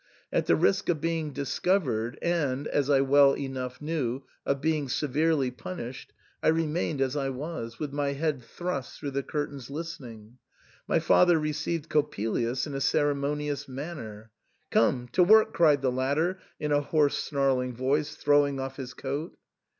At the risk of being discovered, and, as I well enough knew, of being se verely punished, I remained as I . was, with my head thrust through the curtains listening. My father re ceived Coppelius in a ceremonious manner. " Come, to work !*' cried the latter, in a hoarse snarling voice, throwing off his coat.